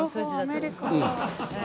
両方アメリカが。